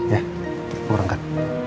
ya aku rengkat